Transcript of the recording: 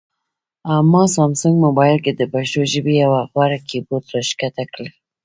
ما سامسنګ مبایل کې د پښتو ژبې یو غوره کیبورډ راښکته کړ